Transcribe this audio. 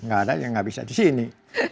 gak ada ya gak bisa di sini